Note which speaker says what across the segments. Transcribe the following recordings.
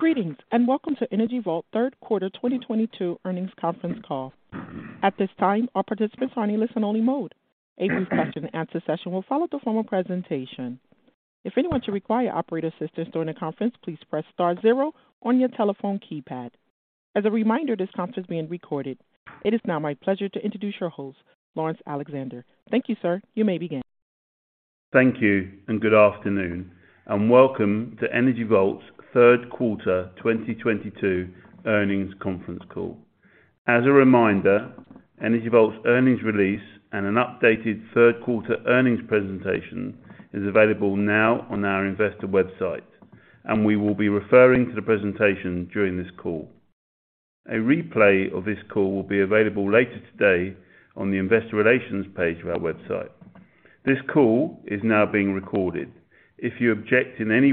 Speaker 1: Greetings, and welcome to Energy Vault Third Quarter 2022 Earnings Conference Call. A this time, all participants are in listen-only mode. A Q&A session will follow the formal presentation. If anyone should require operator assistance during the conference, please press star zero on your telephone keypad. As a reminder, this conference is being recorded. It is now my pleasure to introduce your host, Laurence Alexander. Thank you, sir. You may begin.
Speaker 2: Thank you, and good afternoon, and welcome to Energy Vault's Third Quarter 2022 Earnings Conference Call. As a reminder, Energy Vault's earnings release and an updated third quarter earnings presentation is available now on our investor website, and we will be referring to the presentation during this call. A replay of this call will be available later today on the investor relations page of our website. This call is now being recorded. If you object in any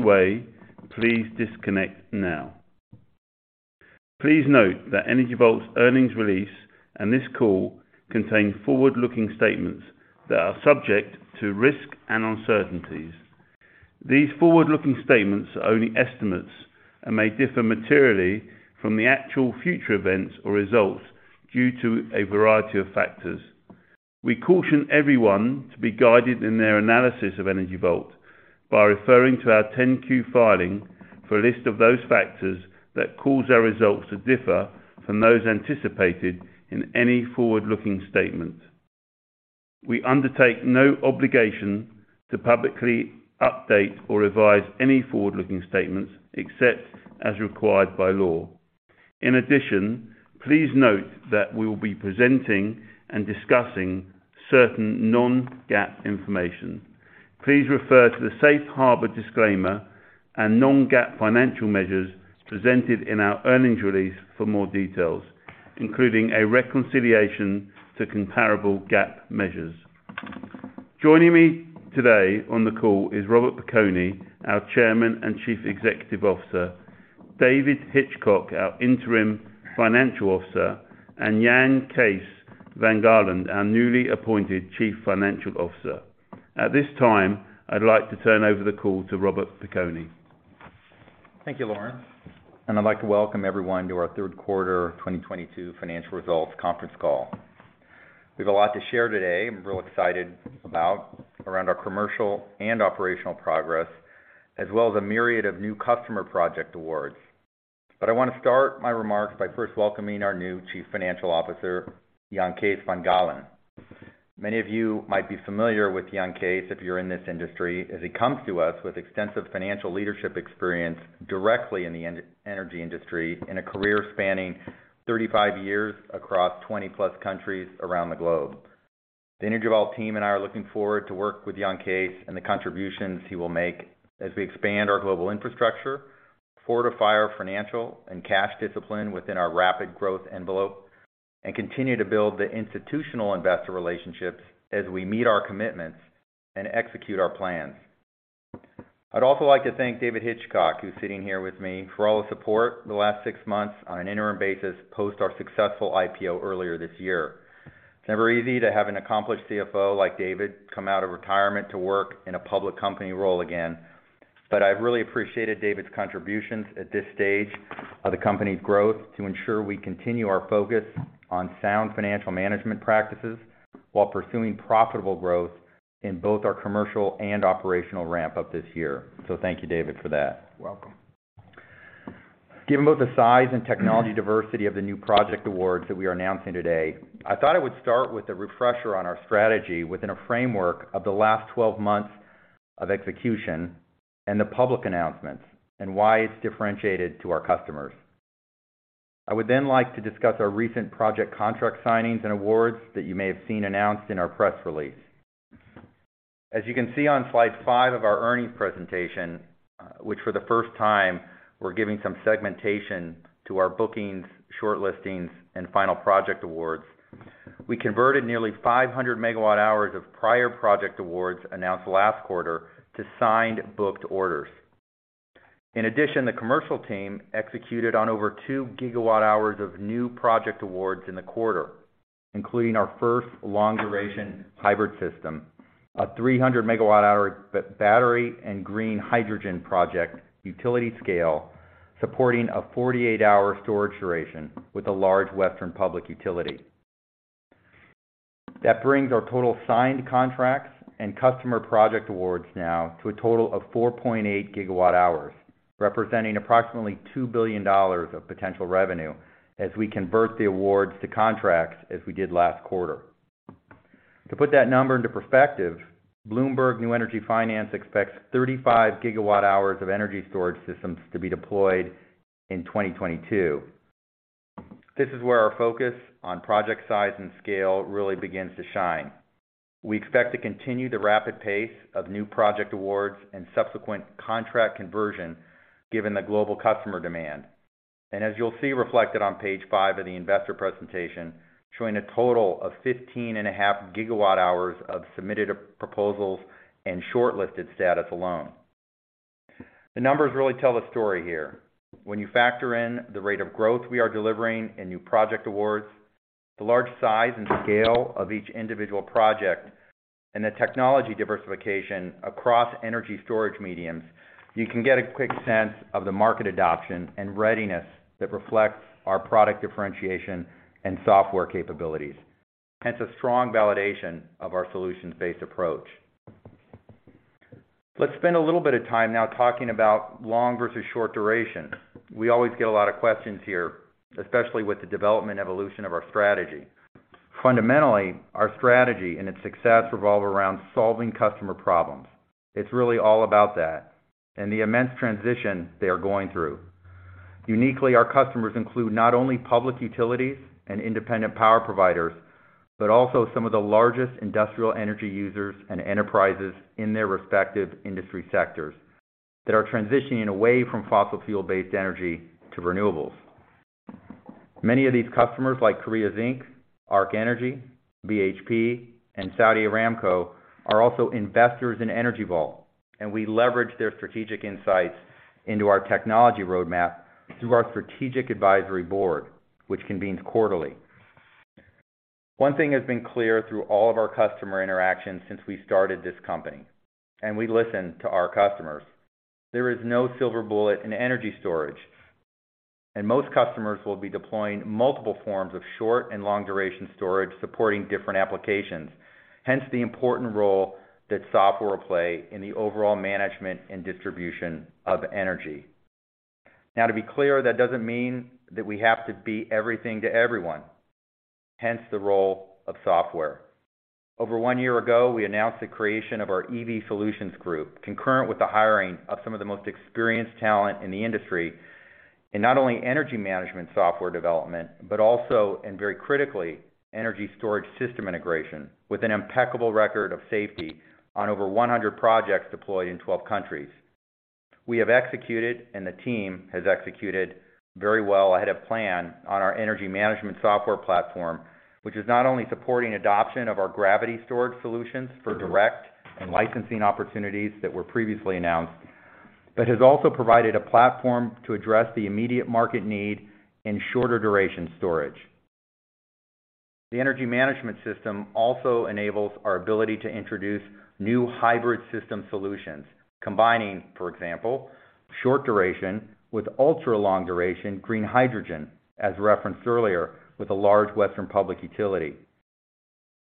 Speaker 2: way, please disconnect now. Please note that Energy Vault's earnings release and this call contain forward-looking statements that are subject to risk and uncertainties. These forward-looking statements are only estimates and may differ materially from the actual future events or results due to a variety of factors. We caution everyone to be guided in their analysis of Energy Vault by referring to our Form 10-Q filing for a list of those factors that cause our results to differ from those anticipated in any forward-looking statements. We undertake no obligation to publicly update or revise any forward-looking statements except as required by law. In addition, please note that we will be presenting and discussing certain non-GAAP information. Please refer to the safe harbor disclaimer and non-GAAP financial measures presented in our earnings release for more details, including a reconciliation to comparable GAAP measures. Joining me today on the call is Robert Piconi, our Chairman and Chief Executive Officer, David Hitchcock, our Interim Chief Financial Officer, and Jan Kees van Gaalen, our newly appointed Chief Financial Officer. At this time, I'd like to turn over the call to Robert Piconi.
Speaker 3: Thank you, Laurence, and I'd like to welcome everyone to our Third Quarter 2022 Financial Results Conference Call. We have a lot to share today. I'm real excited about around our commercial and operational progress, as well as a myriad of new customer project awards. I want to start my remarks by first welcoming our new Chief Financial Officer, Jan Kees van Gaalen. Many of you might be familiar with Jan Kees if you're in this industry, as he comes to us with extensive financial leadership experience directly in the energy industry in a career spanning 35 years across 20-plus countries around the globe. The Energy Vault team and I are looking forward to work with Jan Kees and the contributions he will make as we expand our global infrastructure, fortify our financial and cash discipline within our rapid growth envelope, and continue to build the institutional investor relationships as we meet our commitments and execute our plans. I'd also like to thank David Hitchcock, who's sitting here with me, for all the support the last six months on an interim basis post our successful IPO earlier this year. It's never easy to have an accomplished CFO like David come out of retirement to work in a public company role again. I've really appreciated David's contributions at this stage of the company's growth to ensure we continue our focus on sound financial management practices while pursuing profitable growth in both our commercial and operational ramp-up this year. Thank you, David, for that.
Speaker 4: You're welcome.
Speaker 3: Given both the size and technology diversity of the new project awards that we are announcing today, I thought I would start with a refresher on our strategy within a framework of the last 12 months of execution and the public announcements and why it's differentiated to our customers. I would then like to discuss our recent project contract signings and awards that you may have seen announced in our press release. As you can see on slide 5 of our earnings presentation, which for the first time we're giving some segmentation to our bookings, short listings, and final project awards. We converted nearly 500 MWh of prior project awards announced last quarter to signed, booked orders. In addition, the commercial team executed on over 2 GWh of new project awards in the quarter, including our first long-duration hybrid system, a 300 MWh battery and green hydrogen project, utility-scale, supporting a 48-hour storage duration with a large Western public utility. That brings our total signed contracts and customer project awards now to a total of 4.8 GWh representing approximately $2 billion of potential revenue as we convert the awards to contracts as we did last quarter. To put that number into perspective, Bloomberg New Energy Finance expects 35 GWh of energy storage systems to be deployed in 2022. This is where our focus on project size and scale really begins to shine. We expect to continue the rapid pace of new project awards and subsequent contract conversion given the global customer demand. As you'll see reflected on page 5 of the investor presentation, showing a total of 15.5 GWh of submitted proposals and shortlisted status alone. The numbers really tell the story here. When you factor in the rate of growth we are delivering in new project awards. The large size and scale of each individual project and the technology diversification across energy storage mediums, you can get a quick sense of the market adoption and readiness that reflects our product differentiation and software capabilities. Hence, a strong validation of our solutions-based approach. Let's spend a little bit of time now talking about long versus short duration. We always get a lot of questions here, especially with the development evolution of our strategy. Fundamentally, our strategy and its success revolve around solving customer problems. It's really all about that and the immense transition they are going through. Uniquely, our customers include not only public utilities and independent power providers, but also some of the largest industrial energy users and enterprises in their respective industry sectors that are transitioning away from fossil fuel-based energy to renewables. Many of these customers, like Korea Zinc, Ark Energy, BHP, and Saudi Aramco, are also investors in Energy Vault, and we leverage their strategic insights into our technology roadmap through our strategic advisory board, which convenes quarterly. One thing has been clear through all of our customer interactions since we started this company, and we listen to our customers. There is no silver bullet in energy storage, and most customers will be deploying multiple forms of short and long-duration storage supporting different applications. Hence, the important role that software will play in the overall management and distribution of energy. Now, to be clear, that doesn't mean that we have to be everything to everyone. Hence, the role of software. Over 1 year ago, we announced the creation of our EV Solutions Group, concurrent with the hiring of some of the most experienced talent in the industry in not only energy management software development, but also, and very critically, energy storage system integration with an impeccable record of safety on over 100 projects deployed in 12 countries. We have executed, and the team has executed very well ahead of plan on our energy management software platform, which is not only supporting adoption of our gravity storage solutions for direct and licensing opportunities that were previously announced, but has also provided a platform to address the immediate market need in shorter-duration storage. The energy management system also enables our ability to introduce new hybrid system solutions, combining, for example, short duration with ultra-long duration green hydrogen, as referenced earlier with a large Western public utility.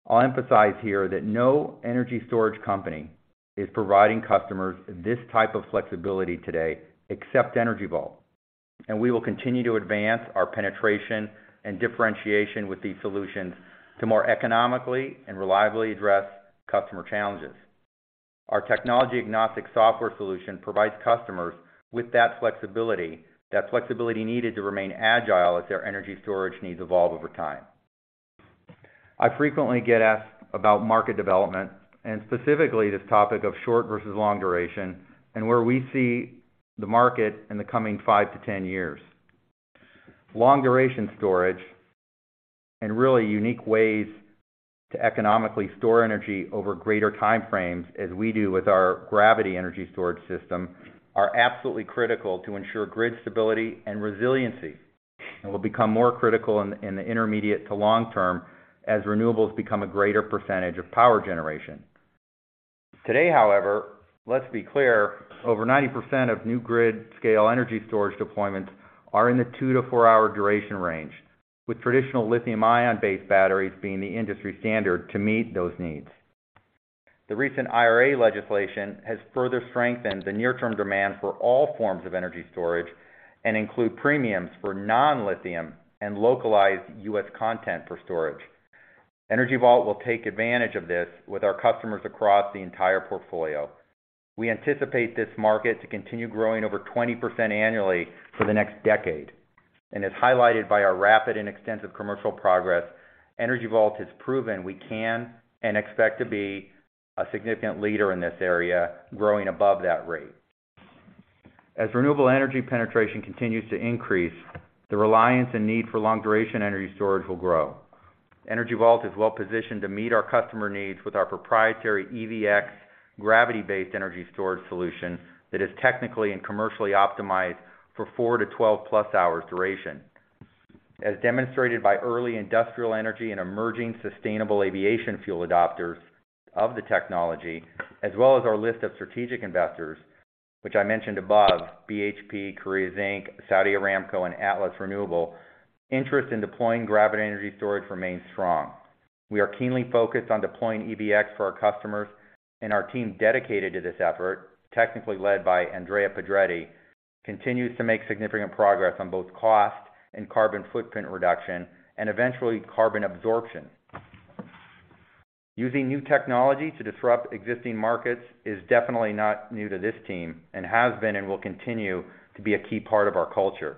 Speaker 3: I'll emphasize here that no energy storage company is providing customers this type of flexibility today except Energy Vault, and we will continue to advance our penetration and differentiation with these solutions to more economically and reliably address customer challenges. Our technology-agnostic software solution provides customers with that flexibility, that flexibility needed to remain agile as their energy storage needs evolve over time. I frequently get asked about market development and specifically this topic of short versus long duration and where we see the market in the coming five to ten years. Long-duration storage and really unique ways to economically store energy over greater time frames, as we do with our gravity energy storage system, are absolutely critical to ensure grid stability and resiliency, and will become more critical in the intermediate to long term as renewables become a greater percentage of power generation. Today, however, let's be clear, over 90% of new grid-scale energy storage deployments are in the 2-4-hour duration range, with traditional lithium-ion-based batteries being the industry standard to meet those needs. The recent IRA legislation has further strengthened the near-term demand for all forms of energy storage and include premiums for non-lithium and localized U.S. content for storage. Energy Vault will take advantage of this with our customers across the entire portfolio. We anticipate this market to continue growing over 20% annually for the next decade. As highlighted by our rapid and extensive commercial progress, Energy Vault has proven we can and expect to be a significant leader in this area, growing above that rate. As renewable energy penetration continues to increase, the reliance and need for long-duration energy storage will grow. Energy Vault is well-positioned to meet our customer needs with our proprietary EVx Gravity-Based Energy Storage Solution that is technically and commercially optimized for 4-12+ hours duration. As demonstrated by early industrial energy and emerging sustainable aviation fuel adopters of the technology, as well as our list of strategic investors, which I mentioned above, BHP, Korea Zinc, Saudi Aramco, and Atlas Renewable, interest in deploying gravity energy storage remains strong. We are keenly focused on deploying EVx for our customers, and our team dedicated to this effort, technically led by Andrea Pedretti, continues to make significant progress on both cost and carbon footprint reduction, and eventually carbon absorption. Using new technology to disrupt existing markets is definitely not new to this team and has been and will continue to be a key part of our culture.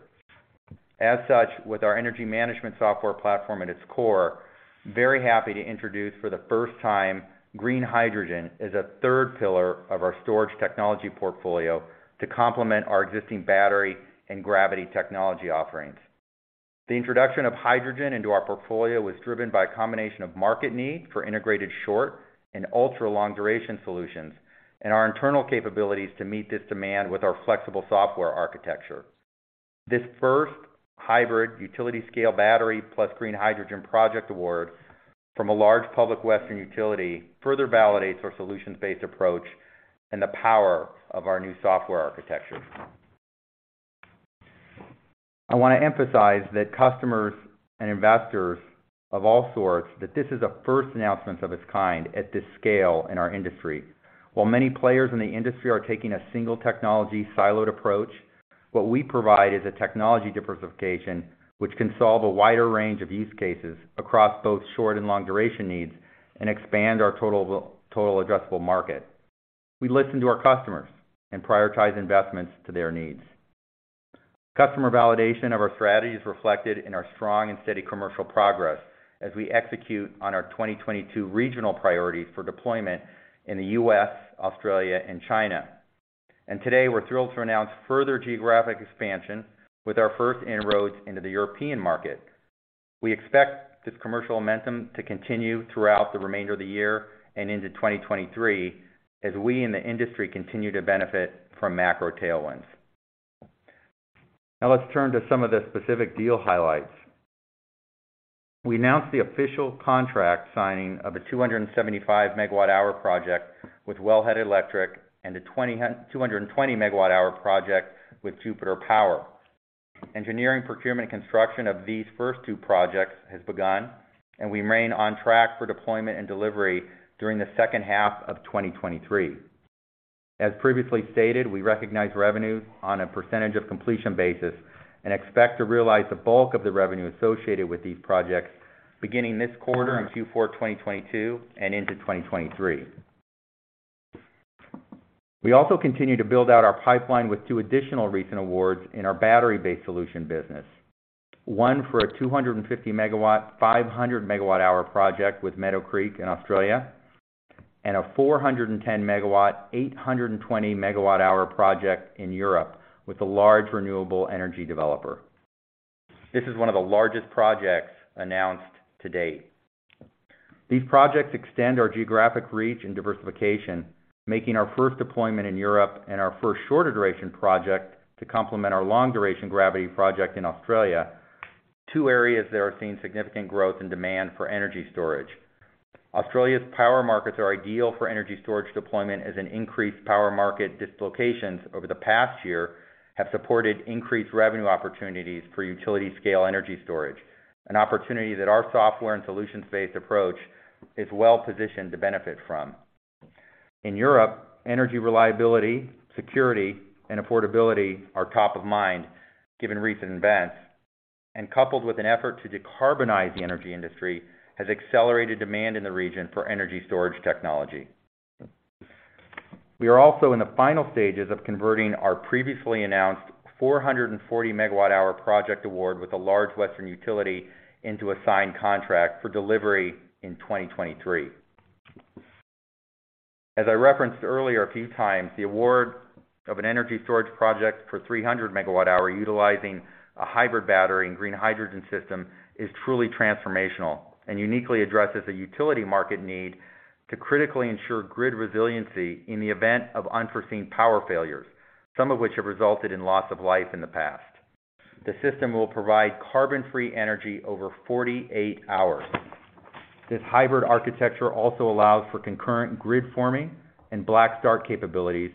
Speaker 3: As such, with our energy management software platform at its core, very happy to introduce for the first time green hydrogen as a third pillar of our storage technology portfolio to complement our existing battery and gravity technology offerings. The introduction of hydrogen into our portfolio was driven by a combination of market need for integrated short and ultra-long-duration solutions and our internal capabilities to meet this demand with our flexible software architecture. This first hybrid utility scale battery plus green hydrogen project award from a large public Western utility further validates our solutions-based approach and the power of our new software architecture. I wanna emphasize that customers and investors of all sorts, that this is a first announcement of its kind at this scale in our industry. While many players in the industry are taking a single technology siloed approach, what we provide is a technology diversification, which can solve a wider range of use cases across both short and long duration needs, and expand our total addressable market. We listen to our customers and prioritize investments to their needs. Customer validation of our strategy is reflected in our strong and steady commercial progress as we execute on our 2022 regional priorities for deployment in the U.S., Australia, and China. Today, we're thrilled to announce further geographic expansion with our first inroads into the European market. We expect this commercial momentum to continue throughout the remainder of the year and into 2023, as we in the industry continue to benefit from macro tailwinds. Now let's turn to some of the specific deal highlights. We announced the official contract signing of the 275 MWh project with Wellhead Electric and a 220 MWh project with Jupiter Power. Engineering, procurement, construction of these first two projects has begun, and we remain on track for deployment and delivery during the second half of 2023. As previously stated, we recognize revenue on a percentage of completion basis and expect to realize the bulk of the revenue associated with these projects beginning this quarter in Q4 2022 and into 2023. We also continue to build out our pipeline with 2 additional recent awards in our battery-based solution business. One for a 250 MW, 500 MWh project with Meadow Creek in Australia, and a 410 MW, 820 MWh project in Europe with a large renewable energy developer. This is one of the largest projects announced to date. These projects extend our geographic reach and diversification, making our first deployment in Europe and our first shorter duration project to complement our long duration gravity project in Australia, two areas that are seeing significant growth and demand for energy storage. Australia's power markets are ideal for energy storage deployment as an increased power market dislocations over the past year have supported increased revenue opportunities for utility scale energy storage, an opportunity that our software and solutions-based approach is well-positioned to benefit from. In Europe, energy reliability, security, and affordability are top of mind given recent events, and coupled with an effort to decarbonize the energy industry, has accelerated demand in the region for energy storage technology. We are also in the final stages of converting our previously announced 440 MWh project award with a large Western utility into a signed contract for delivery in 2023. As I referenced earlier a few times, the award of an energy storage project for 300 MWh utilizing a hybrid battery and green hydrogen system is truly transformational and uniquely addresses a utility market need to critically ensure grid resiliency in the event of unforeseen power failures, some of which have resulted in loss of life in the past. The system will provide carbon-free energy over 48 hours. This hybrid architecture also allows for concurrent grid forming and black start capabilities.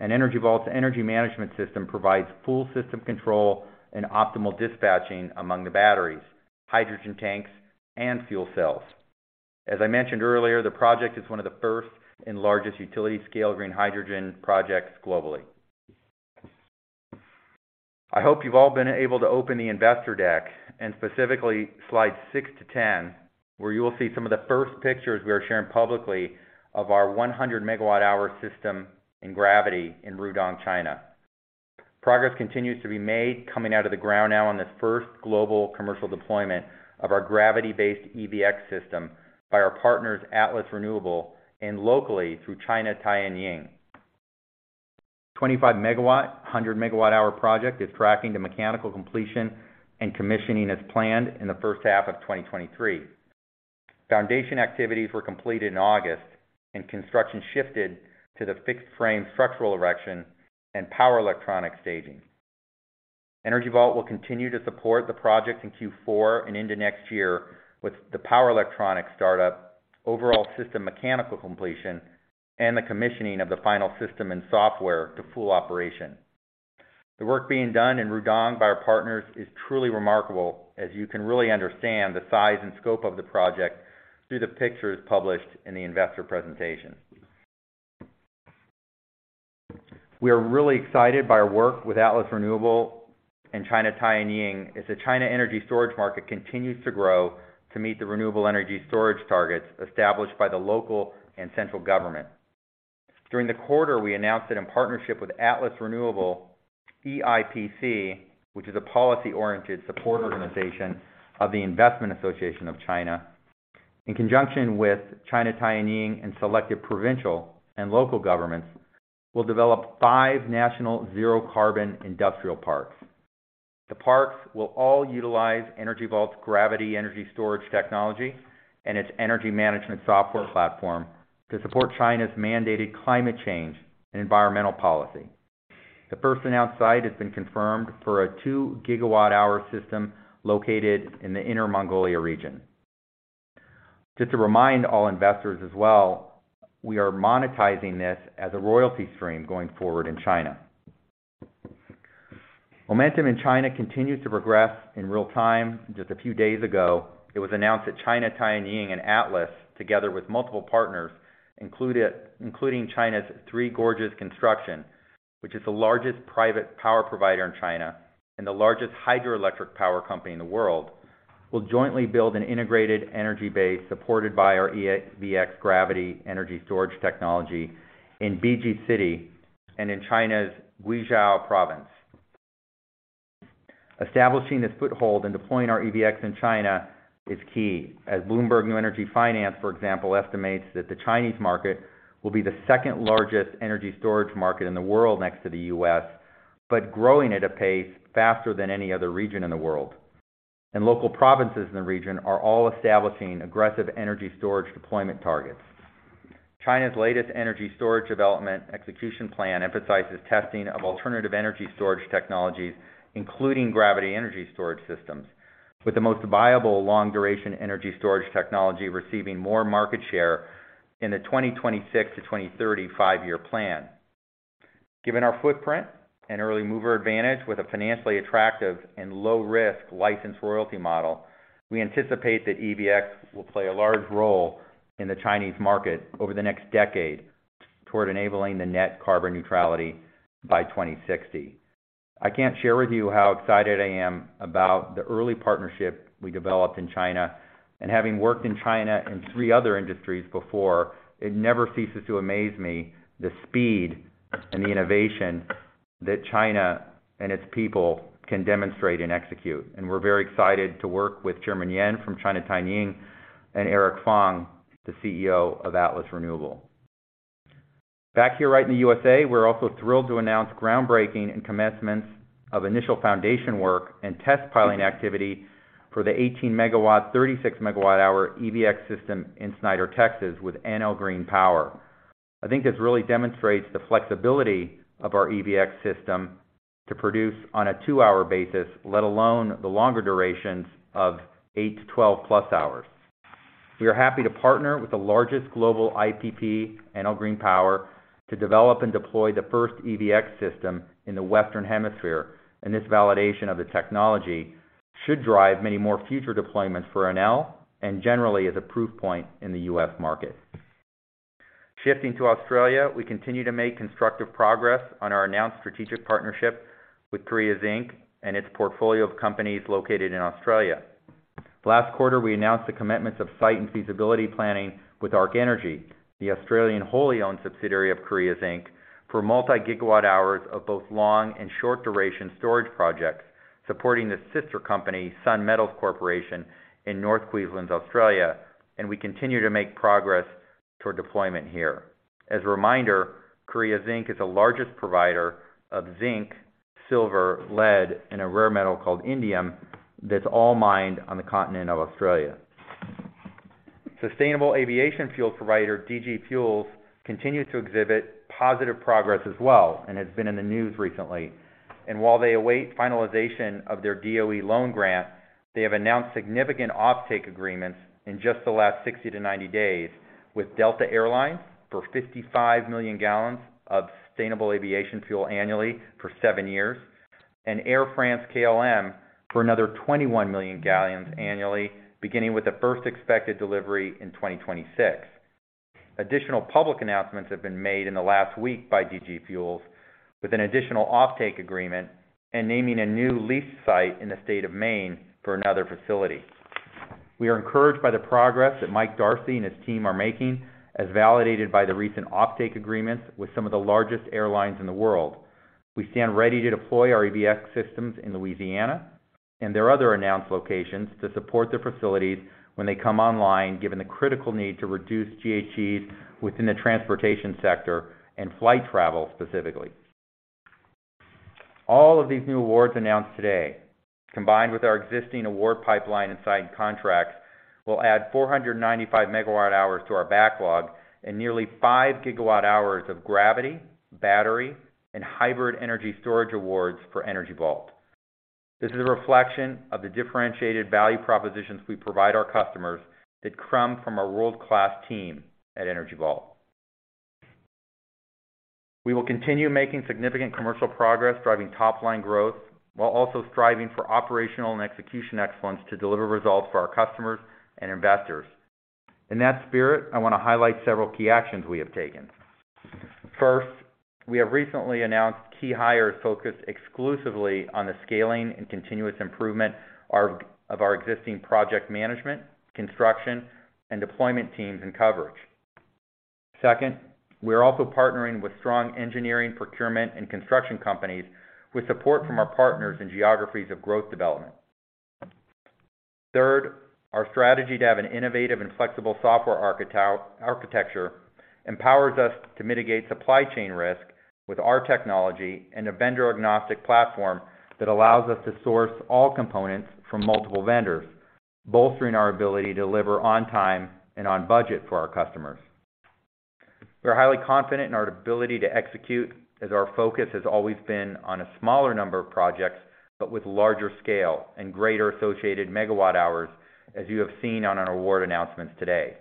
Speaker 3: Energy Vault's energy management system provides full system control and optimal dispatching among the batteries, hydrogen tanks, and fuel cells. As I mentioned earlier, the project is one of the first and largest utility scale green hydrogen projects globally. I hope you've all been able to open the investor deck, and specifically slides 6 to 10, where you will see some of the first pictures we are sharing publicly of our 100 MWh gravity system in Rudong, China. Progress continues to be made coming out of the ground now on this first global commercial deployment of our Gravity-Based EVx System by our partners, Atlas Renewable, and locally through China Tianying. 25 MW, 100 MWh project is tracking to mechanical completion and commissioning as planned in the first half of 2023. Foundation activities were completed in August, and construction shifted to the fixed frame structural erection and power electronic staging. Energy Vault will continue to support the project in Q4 and into next year with the power electronic startup, overall system mechanical completion, and the commissioning of the final system and software to full operation. The work being done in Rudong by our partners is truly remarkable as you can really understand the size and scope of the project through the pictures published in the investor presentation. We are really excited by our work with Atlas Renewable and China Tianying as the China energy storage market continues to grow to meet the renewable energy storage targets established by the local and central government. During the quarter, we announced that in partnership with Atlas Renewable, EIPC, which is a policy-oriented support organization of the Investment Association of China, in conjunction with China Tianying and selective provincial and local governments, will develop five national zero carbon industrial parks. The parks will all utilize Energy Vault's gravity energy storage technology and its energy management software platform to support China's mandated climate change and environmental policy. The first announced site has been confirmed for a 2 GWh system located in the Inner Mongolia region. Just to remind all investors as well, we are monetizing this as a royalty stream going forward in China. Momentum in China continues to progress in real time. Just a few days ago, it was announced that China Tianying Inc. and Atlas Renewable, together with multiple partners, including China Three Gorges Corporation, which is the largest private power provider in China and the largest hydroelectric power company in the world, will jointly build an integrated energy base supported by our EVx Gravity Energy Storage Technology in Bijie City and in China's Guizhou Province. Establishing this foothold and deploying our EVx in China is key, as Bloomberg New Energy Finance, for example, estimates that the Chinese market will be the second-largest energy storage market in the world next to the U.S., but growing at a pace faster than any other region in the world. Local provinces in the region are all establishing aggressive energy storage deployment targets. China's latest energy storage development execution plan emphasizes testing of alternative energy storage technologies, including gravity energy storage systems, with the most viable long-duration energy storage technology receiving more market share in the 2026 to 2035-year plan. Given our footprint and early mover advantage with a financially attractive and low-risk license royalty model, we anticipate that EVx will play a large role in the Chinese market over the next decade toward enabling the net carbon neutrality by 2060. I can't share with you how excited I am about the early partnership we developed in China. Having worked in China in three other industries before, it never ceases to amaze me the speed and the innovation that China and its people can demonstrate and execute. We're very excited to work with Chairman Yan from China Tianying and Eric Fang, the CEO of Atlas Renewable. Back here right in the U.S.A., we're also thrilled to announce groundbreaking and commencement of initial foundation work and test piling activity for the 18 MW, 36 MWh EVx system in Snyder, Texas, with Enel Green Power. I think this really demonstrates the flexibility of our EVx system to produce on a 2-hour basis, let alone the longer durations of 8- to 12+ hours. We are happy to partner with the largest global IPP, Enel Green Power, to develop and deploy the first EVx system in the Western Hemisphere, and this validation of the technology should drive many more future deployments for Enel and generally as a proof point in the U.S. market. Shifting to Australia, we continue to make constructive progress on our announced strategic partnership with Korea Zinc and its portfolio of companies located in Australia. Last quarter, we announced the commitments of site and feasibility planning with Ark Energy, the Australian wholly-owned subsidiary of Korea Zinc, for multi-gigawatt hours of both long and short-duration storage projects supporting the sister company, Sun Metals Corporation, in North Queensland, Australia, and we continue to make progress toward deployment here. As a reminder, Korea Zinc is the largest provider of zinc, silver, lead, and a rare metal called indium that's all mined on the continent of Australia. Sustainable aviation fuel provider DG Fuels continues to exhibit positive progress as well and has been in the news recently. While they await finalization of their DOE loan guarantee, they have announced significant offtake agreements in just the last 60-90 days with Delta Air Lines for 55 million gallons of sustainable aviation fuel annually for 7 years and Air France-KLM for another 21 million gallons annually, beginning with the first expected delivery in 2026. Additional public announcements have been made in the last week by DG Fuels with an additional offtake agreement and naming a new lease site in the state of Maine for another facility. We are encouraged by the progress that Mike Darcy and his team are making, as validated by the recent offtake agreements with some of the largest airlines in the world. We stand ready to deploy our EVx systems in Louisiana and their other announced locations to support their facilities when they come online, given the critical need to reduce GHGs within the transportation sector and flight travel specifically. All of these new awards announced today, combined with our existing award pipeline and signed contracts, will add 495 MWh to our backlog and nearly 5 GWh of gravity, battery, and hybrid energy storage awards for Energy Vault. This is a reflection of the differentiated value propositions we provide our customers that come from a world-class team at Energy Vault. We will continue making significant commercial progress, driving top-line growth while also striving for operational and execution excellence to deliver results for our customers and investors. In that spirit, I want to highlight several key actions we have taken. First, we have recently announced key hires focused exclusively on the scaling and continuous improvement of our existing project management, construction, and deployment teams and coverage. Second, we are also partnering with strong engineering, procurement, and construction companies with support from our partners in geographies of growth development. Third, our strategy to have an innovative and flexible software architecture empowers us to mitigate supply chain risk with our technology and a vendor-agnostic platform that allows us to source all components from multiple vendors. Bolstering our ability to deliver on time and on budget for our customers. We're highly confident in our ability to execute, as our focus has always been on a smaller number of projects, but with larger scale and greater associated megawatt hours, as you have seen on our award announcements today.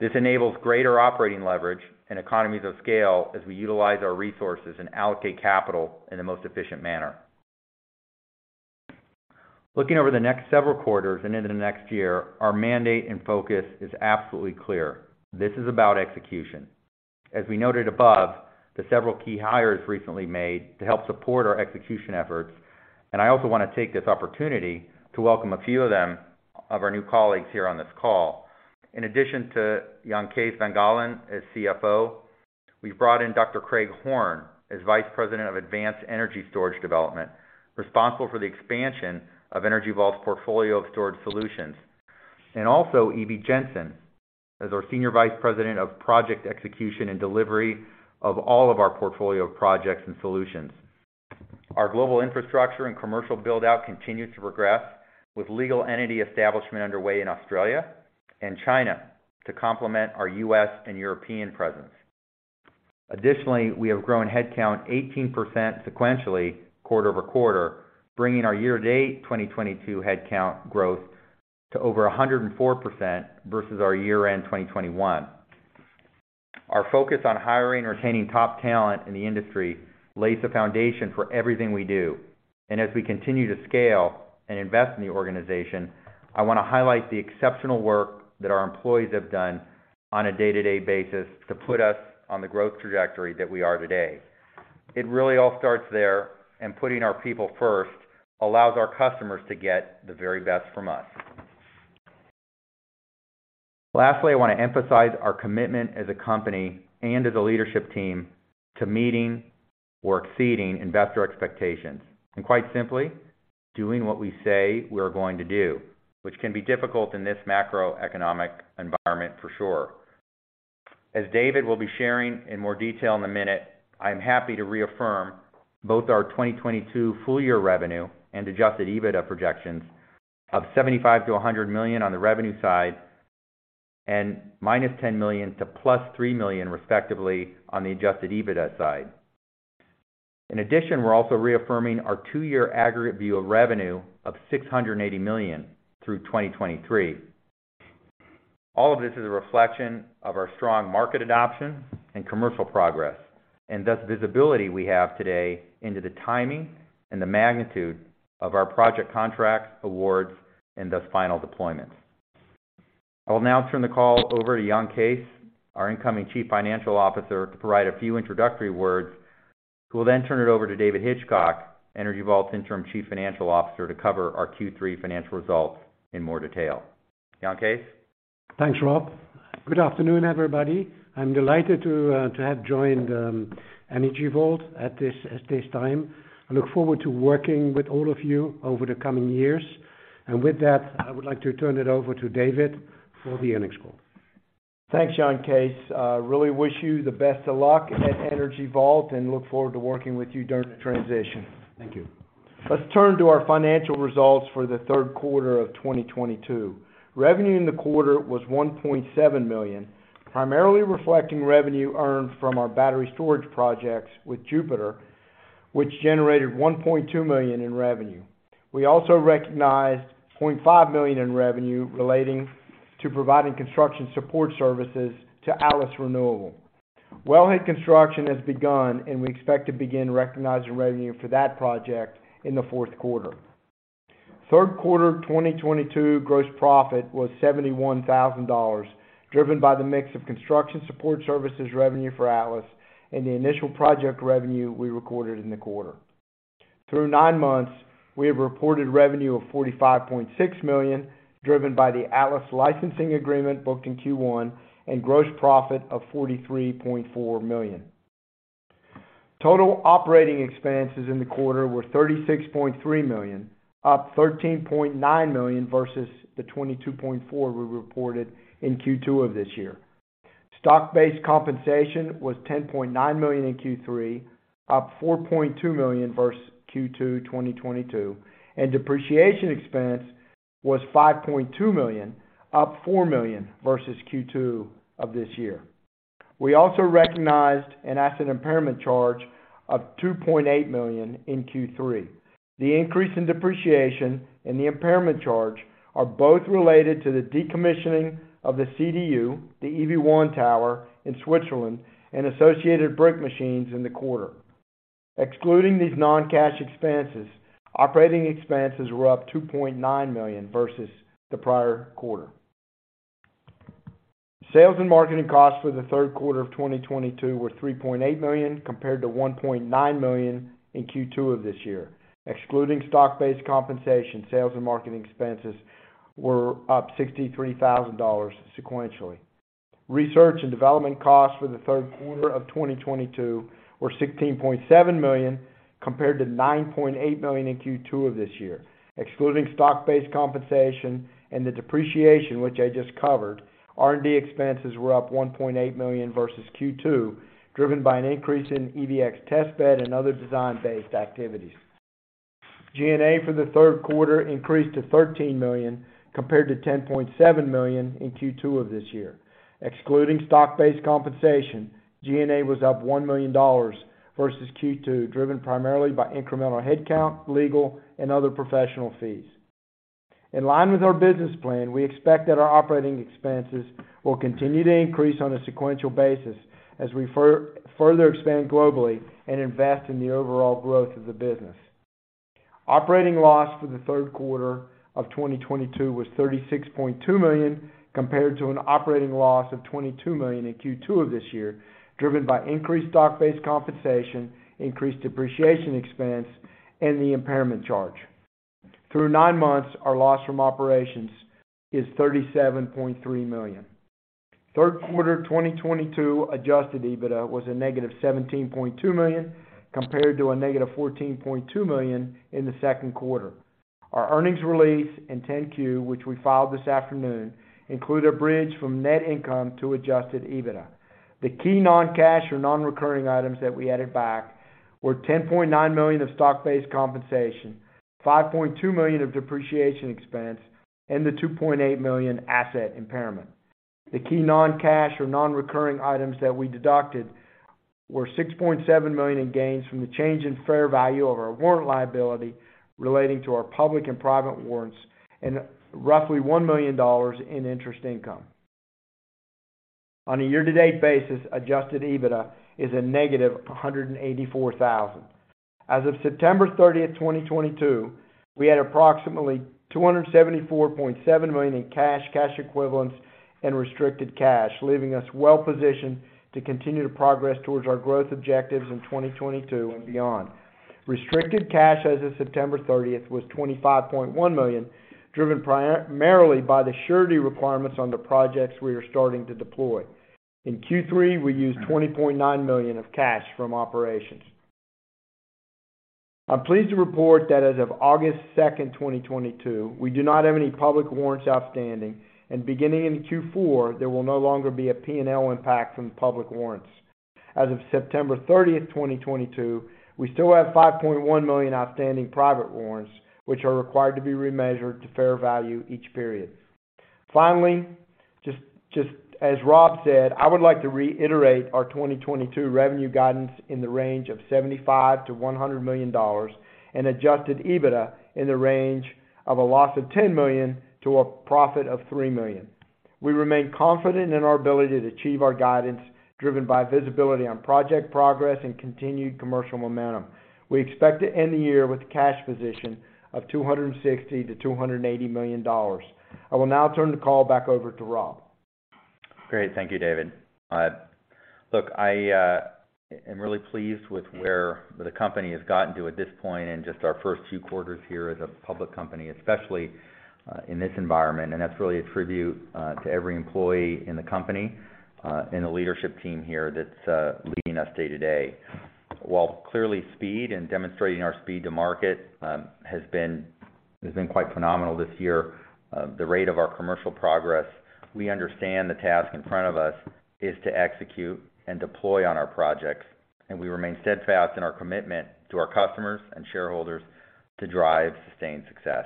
Speaker 3: This enables greater operating leverage and economies of scale as we utilize our resources and allocate capital in the most efficient manner. Looking over the next several quarters and into the next year, our mandate and focus is absolutely clear. This is about execution. As we noted above, the several key hires recently made to help support our execution efforts, and I also wanna take this opportunity to welcome a few of them, of our new colleagues here on this call. In addition to Jan Kees van Gaalen as CFO, we've brought in Dr. Craig Horne as Vice President of Advanced Energy Storage Development, responsible for the expansion of Energy Vault's portfolio of storage solutions. Also, E.B. Jensen as our Senior Vice President of Project Execution and Delivery of all of our portfolio of projects and solutions. Our global infrastructure and commercial build-out continue to progress with legal entity establishment underway in Australia and China to complement our U.S. and European presence. Additionally, we have grown headcount 18% sequentially quarter-over-quarter, bringing our year-to-date 2022 headcount growth to over 104% versus our year-end 2021. Our focus on hiring and retaining top talent in the industry lays the foundation for everything we do. As we continue to scale and invest in the organization, I wanna highlight the exceptional work that our employees have done on a day-to-day basis to put us on the growth trajectory that we are today. It really all starts there, and putting our people first allows our customers to get the very best from us. Lastly, I wanna emphasize our commitment as a company and as a leadership team to meeting or exceeding investor expectations, and quite simply, doing what we say we are going to do, which can be difficult in this macroeconomic environment for sure. As David will be sharing in more detail in a minute, I'm happy to reaffirm both our 2022 full-year revenue and adjusted EBITDA projections of $75-$100 million on the revenue side, and -$10 million to +$3 million respectively on the adjusted EBITDA side. In addition, we're also reaffirming our two-year aggregate view of revenue of $680 million through 2023. All of this is a reflection of our strong market adoption and commercial progress, and thus visibility we have today into the timing and the magnitude of our project contracts, awards, and thus final deployments. I'll now turn the call over to Jan Kees, our incoming Chief Financial Officer, to provide a few introductory words. We'll then turn it over to David Hitchcock, Energy Vault's Interim Chief Financial Officer, to cover our Q3 financial results in more detail. Jan Kees?
Speaker 5: Thanks, Rob. Good afternoon, everybody. I'm delighted to have joined Energy Vault at this time. I look forward to working with all of you over the coming years. With that, I would like to turn it over to David for the earnings call.
Speaker 4: Thanks, Jan Kees. Really wish you the best of luck at Energy Vault and look forward to working with you during the transition.
Speaker 5: Thank you.
Speaker 4: Let's turn to our financial results for the third quarter of 2022. Revenue in the quarter was $1.7 million, primarily reflecting revenue earned from our battery storage projects with Jupiter Power, which generated $1.2 million in revenue. We also recognized $0.5 million in revenue relating to providing construction support services to Atlas Renewable. Wellhead construction has begun, and we expect to begin recognizing revenue for that project in the fourth quarter. Third quarter 2022 gross profit was $71,000, driven by the mix of construction support services revenue for Atlas and the initial project revenue we recorded in the quarter. Through nine months, we have reported revenue of $45.6 million, driven by the Atlas licensing agreement booked in Q1, and gross profit of $43.4 million. Total operating expenses in the quarter were $36.3 million, up $13.9 million versus the $22.4 million we reported in Q2 of this year. Stock-based compensation was $10.9 million in Q3, up $4.2 million versus Q2 2022, and depreciation expense was $5.2 million, up $4 million versus Q2 of this year. We also recognized an asset impairment charge of $2.8 million in Q3. The increase in depreciation and the impairment charge are both related to the decommissioning of the CDU, the EV1 tower in Switzerland, and associated brick machines in the quarter. Excluding these non-cash expenses, operating expenses were up $2.9 million versus the prior quarter. Sales and marketing costs for the third quarter of 2022 were $3.8 million, compared to $1.9 million in Q2 of this year. Excluding stock-based compensation, sales and marketing expenses were up $63,000 sequentially. Research and development costs for the third quarter of 2022 were $16.7 million, compared to $9.8 million in Q2 of this year. Excluding stock-based compensation and the depreciation, which I just covered, R&D expenses were up $1.8 million versus Q2, driven by an increase in EVx test bed and other design-based activities. G&A for the third quarter increased to $13 million compared to $10.7 million in Q2 of this year. Excluding stock-based compensation, G&A was up $1 million versus Q2, driven primarily by incremental headcount, legal and other professional fees. In line with our business plan, we expect that our operating expenses will continue to increase on a sequential basis as we further expand globally and invest in the overall growth of the business. Operating loss for the third quarter of 2022 was $36.2 million, compared to an operating loss of $22 million in Q2 of this year, driven by increased stock-based compensation, increased depreciation expense, and the impairment charge. Through nine months, our loss from operations is $37.3 million. Third quarter 2022 adjusted EBITDA was a negative $17.2 million compared to a negative $14.2 million in the second quarter. Our earnings release and 10-Q, which we filed this afternoon, includes a bridge from net income to adjusted EBITDA. The key non-cash or non-recurring items that we added back were $10.9 million of stock-based compensation, $5.2 million of depreciation expense, and the $2.8 million asset impairment. The key non-cash or non-recurring items that we deducted were $6.7 million in gains from the change in fair value of our warrant liability relating to our public and private warrants and roughly $1 million in interest income. On a year-to-date basis, adjusted EBITDA is negative $184,000. As of September 30, 2022, we had approximately $274.7 million in cash equivalents, and restricted cash, leaving us well-positioned to continue to progress towards our growth objectives in 2022 and beyond. Restricted cash as of September 30th was $25.1 million, driven primarily by the surety requirements on the projects we are starting to deploy. In Q3, we used $20.9 million of cash from operations. I'm pleased to report that as of August 2nd, 2022, we do not have any public warrants outstanding, and beginning in Q4, there will no longer be a P&L impact from public warrants. As of September 30th, 2022, we still have 5.1 million outstanding private warrants, which are required to be remeasured to fair value each period. Finally, just as Rob said, I would like to reiterate our 2022 revenue guidance in the range of $75 million-$100 million and adjusted EBITDA in the range of a loss of $10 million to a profit of $3 million. We remain confident in our ability to achieve our guidance driven by visibility on project progress and continued commercial momentum. We expect to end the year with a cash position of $260 million-$280 million. I will now turn the call back over to Rob.
Speaker 3: Great. Thank you, David. Look, I am really pleased with where the company has gotten to at this point in just our first two quarters here as a public company, especially in this environment and that's really a tribute to every employee in the company and the leadership team here that's leading us day to day. While clearly speed and demonstrating our speed to market has been quite phenomenal this year, the rate of our commercial progress, we understand the task in front of us is to execute and deploy on our projects, and we remain steadfast in our commitment to our customers and shareholders to drive sustained success.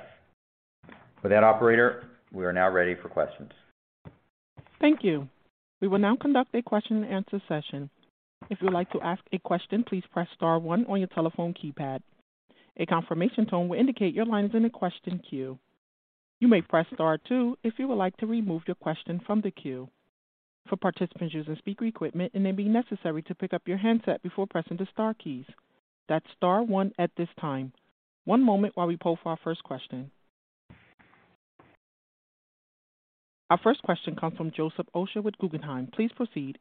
Speaker 3: With that, operator, we are now ready for questions.
Speaker 1: Thank you. We will now conduct a question and answer session. If you would like to ask a question, please press star one on your telephone keypad. A confirmation tone will indicate your line is in a question queue. You may press star two if you would like to remove your question from the queue. For participants using speaker equipment, it may be necessary to pick up your handset before pressing the star keys. That's star one at this time. One moment while we poll for our first question. Our first question comes from Joseph Osha with Guggenheim. Please proceed.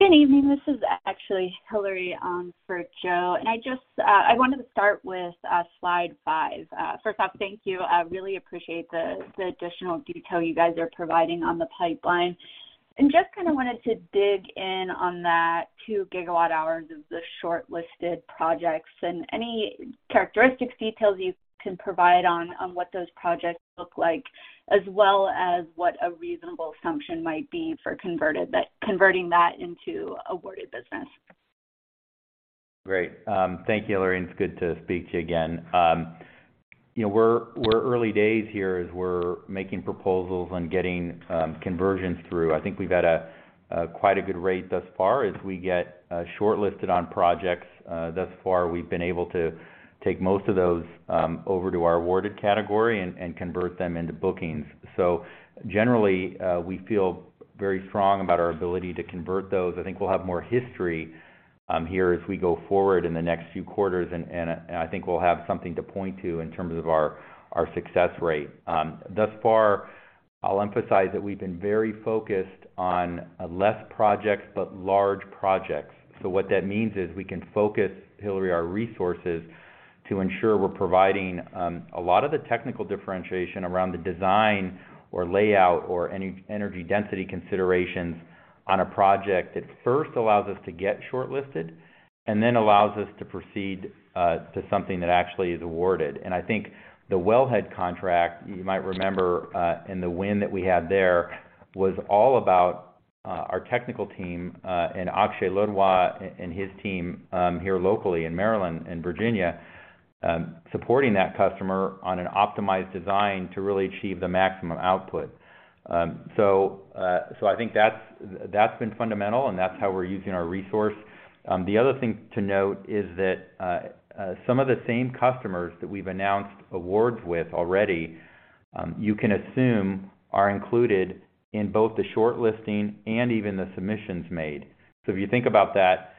Speaker 6: Good evening. This is actually Hilary on for Joe, and I just wanted to start with slide five. First off, thank you. I really appreciate the additional detail you guys are providing on the pipeline. Just kinda wanted to dig in on that 2 GWh of the shortlisted projects and any characteristics, details you can provide on what those projects look like, as well as what a reasonable assumption might be for converting that into awarded business.
Speaker 3: Great. Thank you, Hilary, and it's good to speak to you again. You know, we're early days here as we're making proposals and getting conversions through. I think we've had a quite good rate thus far. As we get shortlisted on projects, thus far, we've been able to take most of those over to our awarded category and convert them into bookings. Generally, we feel very strong about our ability to convert those. I think we'll have more history here as we go forward in the next few quarters, and I think we'll have something to point to in terms of our success rate. Thus far, I'll emphasize that we've been very focused on less projects but large projects. What that means is we can focus, Hilary, our resources to ensure we're providing a lot of the technical differentiation around the design or layout or energy density considerations on a project that first allows us to get shortlisted and then allows us to proceed to something that actually is awarded. I think the Wellhead contract, you might remember, and the win that we had there was all about our technical team and Akshay Ladwa and his team here locally in Maryland and Virginia supporting that customer on an optimized design to really achieve the maximum output. I think that's been fundamental, and that's how we're using our resource. The other thing to note is that some of the same customers that we've announced awards with already, you can assume are included in both the shortlisting and even the submissions made. So if you think about that,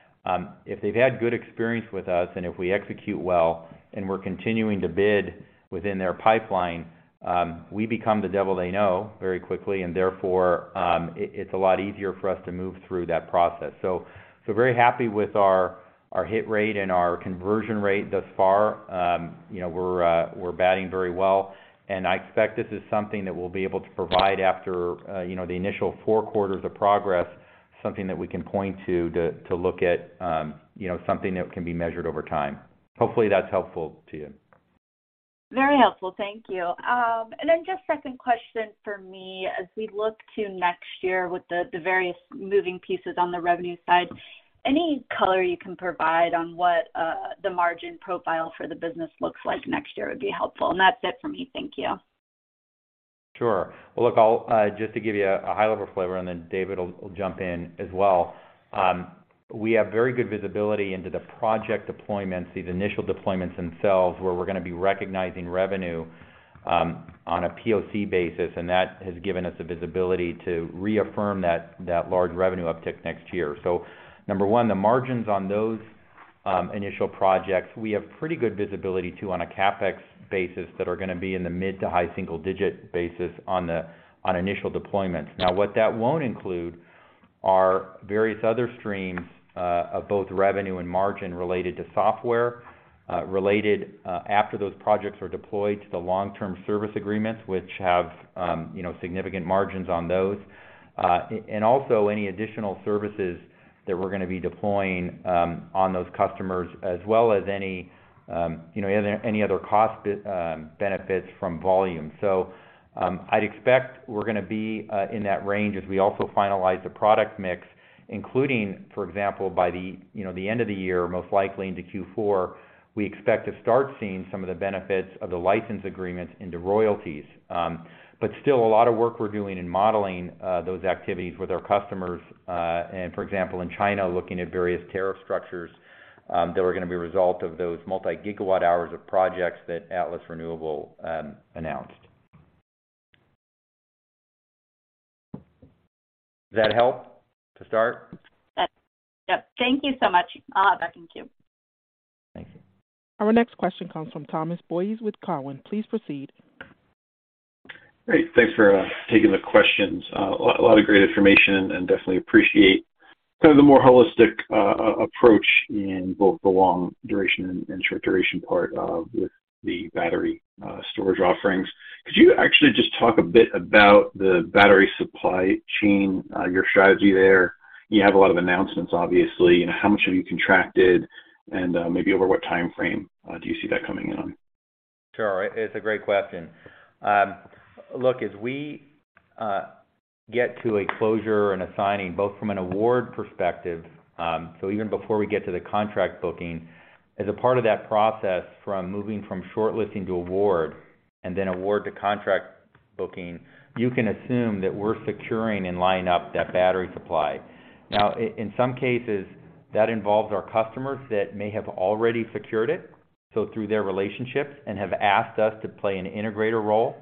Speaker 3: if they've had good experience with us, and if we execute well and we're continuing to bid within their pipeline, we become the devil they know very quickly, and therefore, it's a lot easier for us to move through that process. So very happy with our hit rate and our conversion rate thus far. You know, we're batting very well. I expect this is something that we'll be able to provide after, you know, the initial four quarters of progress, something that we can point to look at, you know, something that can be measured over time. Hopefully, that's helpful to you.
Speaker 6: Very helpful. Thank you. Just second question for me. As we look to next year with the various moving pieces on the revenue side, any color you can provide on what the margin profile for the business looks like next year would be helpful. That's it for me. Thank you.
Speaker 3: Sure. Well, look, I'll just to give you a high-level flavor, and then David will jump in as well. We have very good visibility into the project deployments, these initial deployments themselves, where we're gonna be recognizing revenue on a POC basis, and that has given us a visibility to reaffirm that large revenue uptick next year. Number one, the margins on those initial projects, we have pretty good visibility too on a CapEx basis that are gonna be in the mid to high single-digit basis on the initial deployments. Now, what that won't include are various other streams of both revenue and margin related to software after those projects are deployed to the long-term service agreements, which have you know significant margins on those and also any additional services that we're gonna be deploying on those customers, as well as any you know any other benefits from volume. I'd expect we're gonna be in that range as we also finalize the product mix, including, for example, by the you know the end of the year, most likely into Q4, we expect to start seeing some of the benefits of the license agreements into royalties. Still a lot of work we're doing in modeling those activities with our customers, and for example, in China, looking at various tariff structures that were gonna be a result of those multi-gigawatt hours of projects that Atlas Renewable announced. Does that help to start?
Speaker 6: Yes. Yep. Thank you so much. Back in queue.
Speaker 3: Thank you.
Speaker 1: Our next question comes from Thomas Boyes with Cowen. Please proceed.
Speaker 7: Great. Thanks for taking the questions. A lot of great information and definitely appreciate kind of the more holistic approach in both the long duration and short duration part of the battery storage offerings. Could you actually just talk a bit about the battery supply chain, your strategy there? You have a lot of announcements, obviously. How much have you contracted and, maybe over what timeframe, do you see that coming in on?
Speaker 3: Sure. It's a great question. Look, as we get to a closure and assigning both from an award perspective, even before we get to the contract booking, as a part of that process from moving from shortlisting to award and then award to contract booking, you can assume that we're securing and lining up that battery supply. Now, in some cases, that involves our customers that may have already secured it, so through their relationships and have asked us to play an integrator role.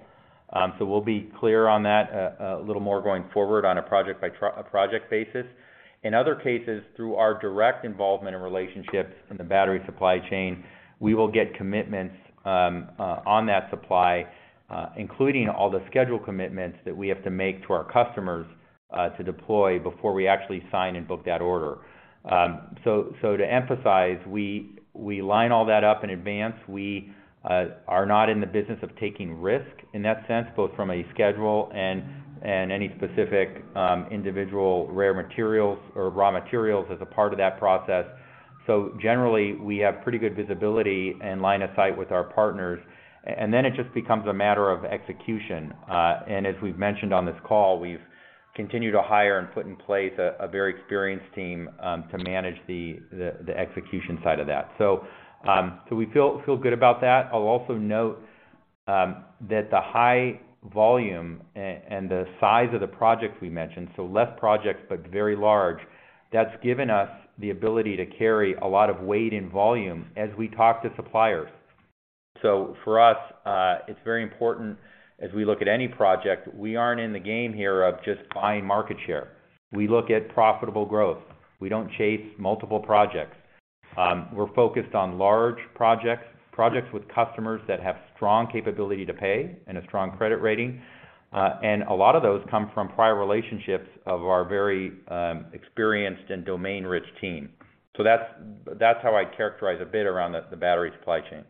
Speaker 3: We'll be clear on that a little more going forward on a project by project basis. In other cases, through our direct involvement and relationships in the battery supply chain, we will get commitments on that supply, including all the schedule commitments that we have to make to our customers to deploy before we actually sign and book that order. So to emphasize, we line all that up in advance. We are not in the business of taking risk in that sense, both from a schedule and any specific individual rare materials or raw materials as a part of that process. Generally, we have pretty good visibility and line of sight with our partners, and then it just becomes a matter of execution. As we've mentioned on this call, we've continued to hire and put in place a very experienced team to manage the execution side of that. We feel good about that. I'll also note that the high volume and the size of the projects we mentioned, less projects, but very large, that's given us the ability to carry a lot of weight and volume as we talk to suppliers. For us, it's very important as we look at any project, we aren't in the game here of just buying market share. We look at profitable growth. We don't chase multiple projects. We're focused on large projects with customers that have strong capability to pay and a strong credit rating, and a lot of those come from prior relationships of our very experienced and domain-rich team. That's how I characterize a bit around the battery supply chain.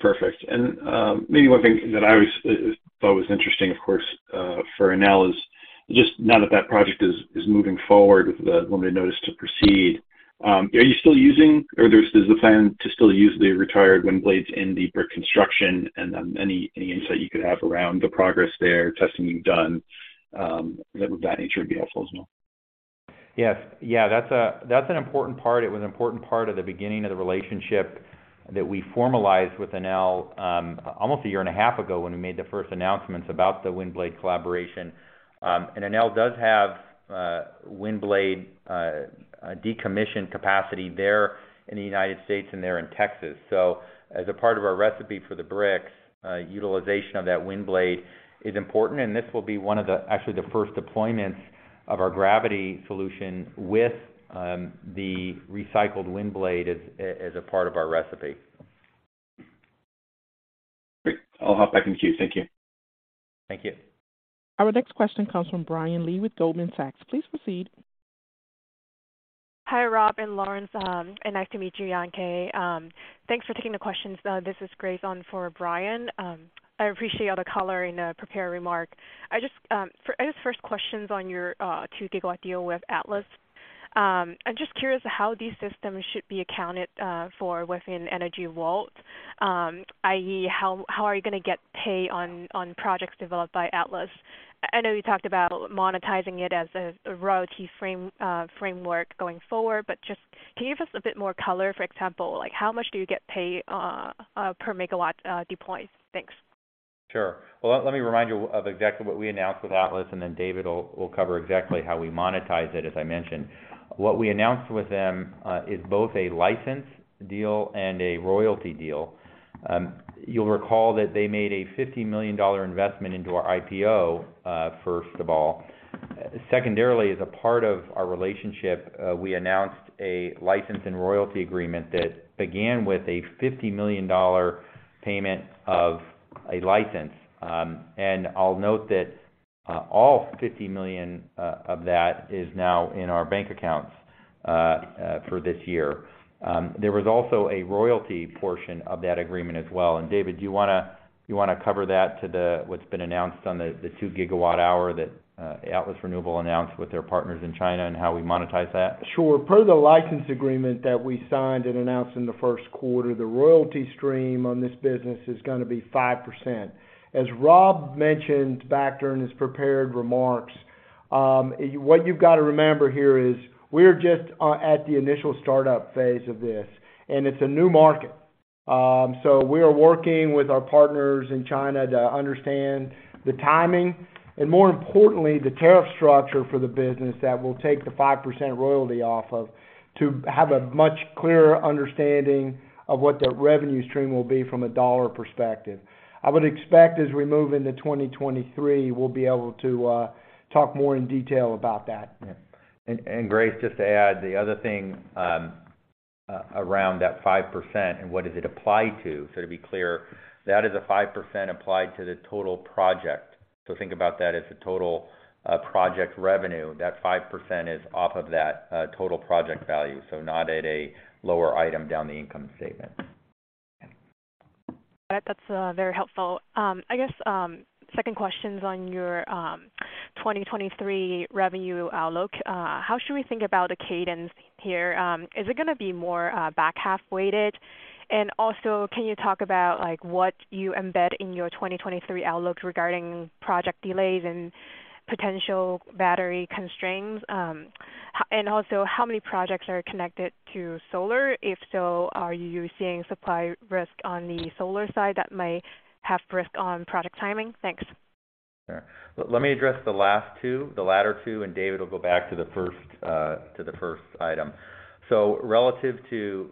Speaker 7: Perfect. Maybe one thing that I always thought was interesting, of course, for Enel, just now that project is moving forward with the limited notice to proceed. Are you still using or there's a plan to still use the retired wind blades in the brick construction and any insight you could have around the progress there, testing being done, of that nature would be helpful as well?
Speaker 3: Yes. Yeah, that's an important part. It was an important part of the beginning of the relationship that we formalized with Enel almost a year and a half ago when we made the first announcements about the wind blade collaboration. Enel does have wind blade decommissioned capacity there in the United States and there in Texas. As a part of our recipe for the bricks, utilization of that wind blade is important, and this will be actually the first deployments of our gravity solution with the recycled wind blade as a part of our recipe.
Speaker 7: Great. I'll hop back in the queue. Thank you.
Speaker 3: Thank you.
Speaker 1: Our next question comes from Brian Lee with Goldman Sachs. Please proceed.
Speaker 8: Hi, Rob and Laurence, and nice to meet you, Jan Kees. Thanks for taking the questions. This is Grace on for Brian. I appreciate all the color in the prepared remark. I just, I guess first question's on your, 2 GW deal with Atlas. I'm just curious how these systems should be accounted, for within Energy Vault. i.e. how are you gonna get paid on projects developed by Atlas? I know you talked about monetizing it as a royalty framework going forward, but just can you give us a bit more color? For example, like how much do you get paid, per megawatt, deployed? Thanks.
Speaker 3: Sure. Well, let me remind you of exactly what we announced with Atlas, and then David will cover exactly how we monetize it, as I mentioned. What we announced with them is both a license deal and a royalty deal. You'll recall that they made a $50 million investment into our IPO, first of all. Secondarily, as a part of our relationship, we announced a license and royalty agreement that began with a $50 million payment of a license. I'll note that all $50 million of that is now in our bank accounts for this year. There was also a royalty portion of that agreement as well. David, do you wanna cover that, too. What's been announced on the 2 GWh that Atlas Renewable announced with their partners in China and how we monetize that?
Speaker 4: Sure. Per the license agreement that we signed and announced in the first quarter, the royalty stream on this business is gonna be 5%. As Rob mentioned back during his prepared remarks, what you've got to remember here is we're just at the initial startup phase of this, and it's a new market. We are working with our partners in China to understand the timing and more importantly, the tariff structure for the business that we'll take the 5% royalty off of to have a much clearer understanding of what the revenue stream will be from a dollar perspective. I would expect as we move into 2023, we'll be able to talk more in detail about that.
Speaker 3: Grace, just to add, the other thing around that 5% and what does it apply to, so to be clear, that is a 5% applied to the total project. Think about that as the total project revenue. That 5% is off of that total project value, so not at a lower item down the income statement.
Speaker 8: Got it. That's very helpful. I guess second question's on your 2023 revenue outlook. How should we think about a cadence here? Is it gonna be more back-half weighted? Also, can you talk about, like, what you embed in your 2023 outlook regarding project delays and potential battery constraints? Also, how many projects are connected to solar? If so, are you seeing supply risk on the solar side that may have risk on project timing? Thanks.
Speaker 3: Sure. Let me address the last two, the latter two, and David will go back to the first item. Relative to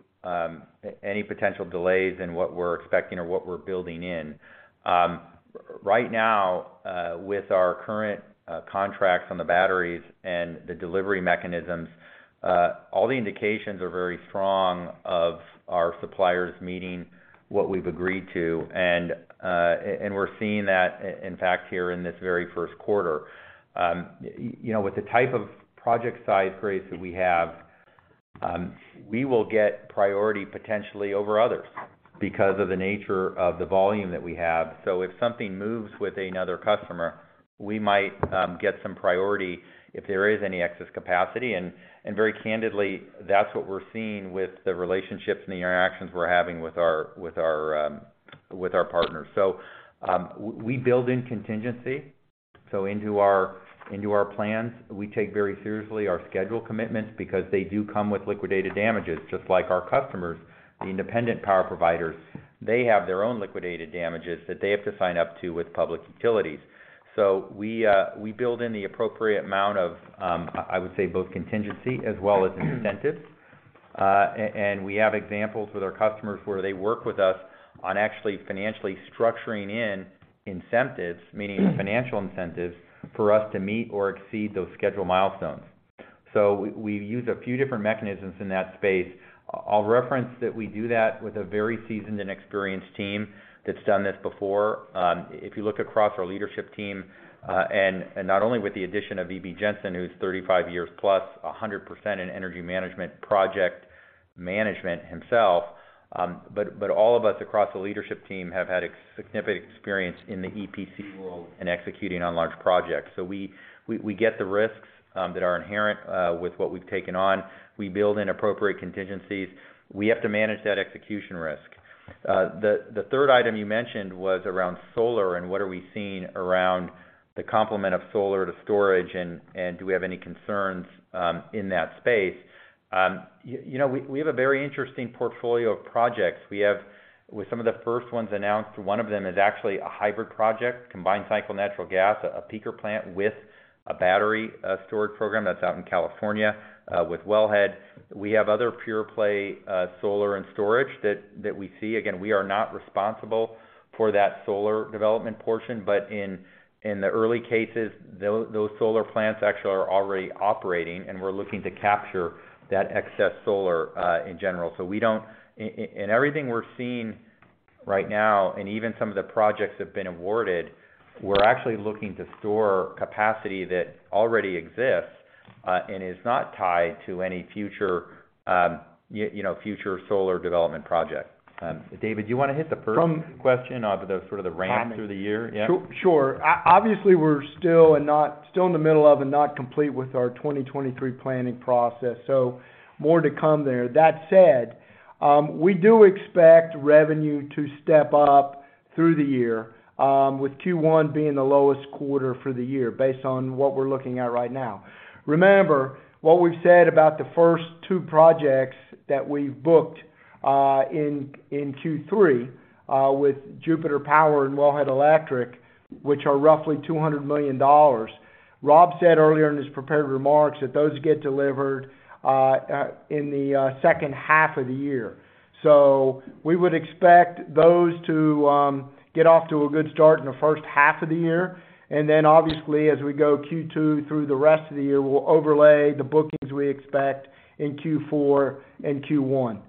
Speaker 3: any potential delays in what we're expecting or what we're building in right now with our current contracts on the batteries and the delivery mechanisms, all the indications are very strong of our suppliers meeting what we've agreed to. We're seeing that in fact here in this very first quarter. You know, with the type of project size, Grace, that we have, we will get priority potentially over others because of the nature of the volume that we have. If something moves with another customer, we might get some priority if there is any excess capacity. Very candidly, that's what we're seeing with the relationships and the interactions we're having with our partners. We build in contingency into our plans. We take very seriously our schedule commitments because they do come with liquidated damages. Just like our customers, the independent power providers, they have their own liquidated damages that they have to sign up to with public utilities. We build in the appropriate amount of, I would say both contingency as well as incentives. And we have examples with our customers where they work with us on actually financially structuring in incentives, meaning financial incentives for us to meet or exceed those schedule milestones. We've used a few different mechanisms in that space. I'll reference that we do that with a very seasoned and experienced team that's done this before. If you look across our leadership team, and not only with the addition of E.B. Jensen, who's 35 years plus, 100% in energy management project management himself, but all of us across the leadership team have had significant experience in the EPC world in executing on large projects. We get the risks that are inherent with what we've taken on. We build in appropriate contingencies. We have to manage that execution risk. The third item you mentioned was around solar and what are we seeing around the complement of solar to storage and do we have any concerns in that space. You know, we have a very interesting portfolio of projects. With some of the first ones announced, one of them is actually a hybrid project, combined cycle natural gas, a peaker plant with a battery storage program that's out in California with Wellhead. We have other pure play solar and storage that we see. Again, we are not responsible for that solar development portion. In the early cases, those solar plants actually are already operating, and we're looking to capture that excess solar in general. We don't. In everything we're seeing right now, and even some of the projects that have been awarded, we're actually looking to store capacity that already exists and is not tied to any future, you know, future solar development project. David, do you wanna hit the first question of the sort of the ramp through the year? Yeah.
Speaker 4: Sure. Obviously, we're still in the middle of and not complete with our 2023 planning process, so more to come there. That said, we do expect revenue to step up through the year, with Q1 being the lowest quarter for the year based on what we're looking at right now. Remember, what we've said about the first two projects that we've booked in Q3 with Jupiter Power and Wellhead Electric, which are roughly $200 million. Rob said earlier in his prepared remarks that those get delivered in the second half of the year. We would expect those to get off to a good start in the first half of the year. Then, obviously, as we go Q2 through the rest of the year, we'll overlay the bookings we expect in Q4 and Q1.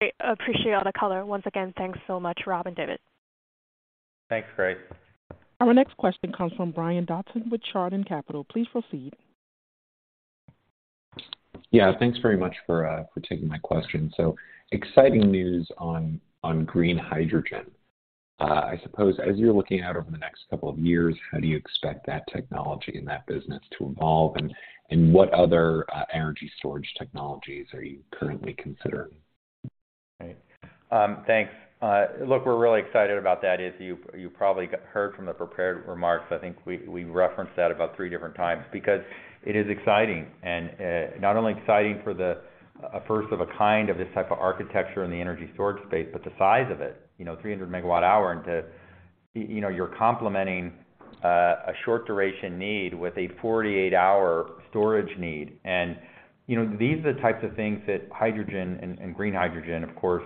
Speaker 8: Great. Appreciate all the color. Once again, thanks so much, Rob and David.
Speaker 3: Thanks, Grace.
Speaker 1: Our next question comes from Brian Dobson with Chardan Capital. Please proceed.
Speaker 9: Yeah. Thanks very much for taking my question. Exciting news on green hydrogen. I suppose, as you're looking out over the next couple of years, how do you expect that technology and that business to evolve? What other energy storage technologies are you currently considering?
Speaker 3: Right. Thanks. Look, we're really excited about that. As you probably heard from the prepared remarks, I think we referenced that about three different times because it is exciting. Not only exciting for the first of a kind of this type of architecture in the energy storage space, but the size of it, you know, 300 MWh. You know, you're complementing a short duration need with a 48-hour storage need. You know, these are the types of things that hydrogen and green hydrogen, of course,